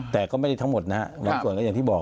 แต่ก็ไม่ได้ทั้งหมดนะฮะบางส่วนก็อย่างที่บอก